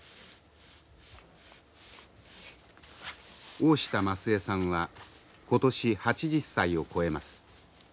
大下増枝さんは今年８０歳を超えます。